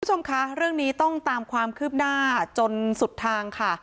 คุณผู้ชมคะเรื่องนี้ต้องตามความคืบหน้าจนสุดทางค่ะ